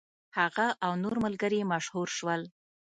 هغه او نور ملګري یې مشهور شول.